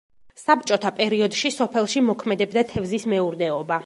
საბჭოთა პერიოდში სოფელში მოქმედებდა თევზის მეურნეობა.